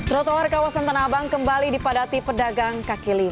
rotowar kawasan tanah abang kembali dipadati pedagang kk lima